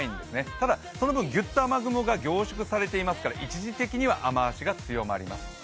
ただその分、ギュッと雨雲が凝縮されていますから一時的には雨足が強まります。